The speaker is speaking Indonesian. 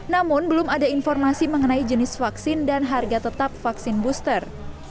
namun belum ada informasi mengenai jenis vaksin dan harga tetap vaksin booster